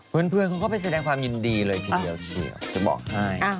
เพื่อนเขาก็ไปแสดงความยินดีเลยทีเดียวเชียวจะบอกให้